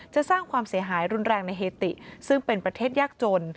สร้างความเสียหายรุนแรงในเฮติซึ่งเป็นประเทศยากจน